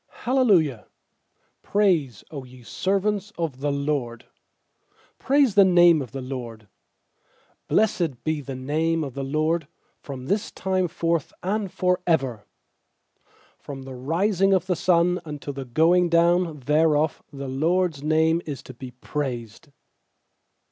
j. _L ci praise^ Q ye servants of the LORD, Praise the name of the LORD. ^Blessed be the name of the LORD From this time forth and for ever. 3From the rising of the sun unto the going down thereof The LORD'S name is to be praised.